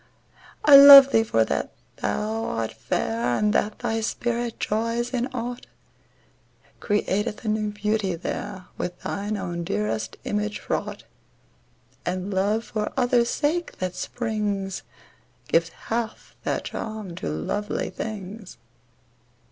I love thee for that thou art fair; And that thy spirit joys in aught Createth a new beauty there, With throe own dearest image fraught; And love, for others' sake that springs, Gives half their charm to lovely things.